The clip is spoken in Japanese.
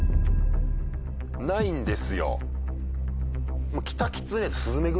ないんですよ。